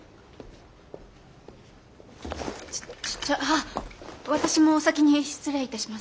じゃあ私もお先に失礼いたします。